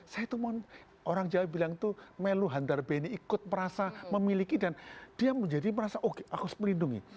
saya itu orang jawa bilang itu melu handarbeni ikut merasa memiliki dan dia menjadi merasa oke aku harus melindungi